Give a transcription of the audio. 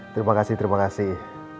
terima kasih terima kasih